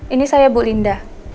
ini saya bu linda